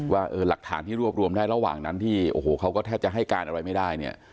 ว่าหลักฐานที่รวบรวมได้ระหว่างนั้นที่โอ้โหเขาก็แทบจะให้การอะไรไม่ได้เนี่ย